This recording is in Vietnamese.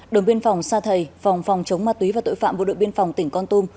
đồn biên phòng sa thầy phòng phòng chống ma túy và tội phạm bộ đội biên phòng tỉnh con tum